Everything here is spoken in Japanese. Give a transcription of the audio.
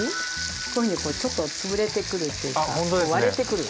こういうふうにこうちょっと潰れてくるというかこう割れてくる。